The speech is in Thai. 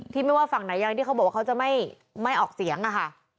ไม่ว่าฝั่งไหนยังที่เขาบอกว่าเขาจะไม่ออกเสียงอะค่ะ